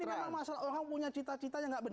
ini adalah masalah orang punya cita citanya tidak benar